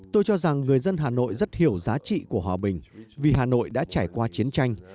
tôi cho rằng người dân hà nội rất hiểu giá trị của hòa bình vì hà nội đã trải qua chiến tranh